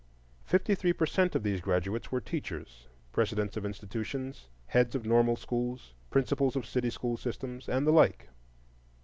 Fifty three per cent of these graduates were teachers,—presidents of institutions, heads of normal schools, principals of city school systems, and the like.